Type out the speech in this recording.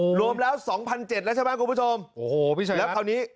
รวมแล้วสองพันเจ็ดแล้วใช่ไหมคุณผู้ชมโอ้โหพี่ชัยแล้วคราวนี้